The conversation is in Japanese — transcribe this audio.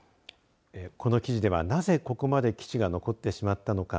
この記事では、なぜ、ここまで基地が残ってしまったのか。